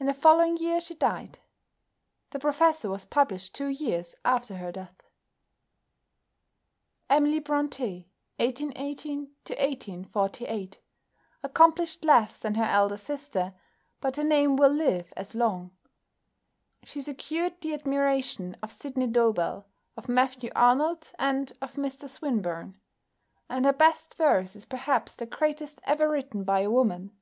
In the following year she died. "The Professor" was published two years after her death. =Emily Brontë (1818 1848)= accomplished less than her elder sister, but her name will live as long. She secured the admiration of Sydney Dobell, of Matthew Arnold, and of Mr Swinburne, and her best verse is perhaps the greatest ever written by a woman.